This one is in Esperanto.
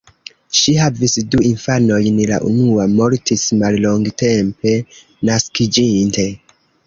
Ŝi havis du infanojn, la unua mortis mallongtempe naskiĝinte.